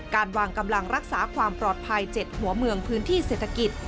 การวางกำลังรักษาความปลอดภัย๗หัวเมืองพื้นที่เศรษฐกิจ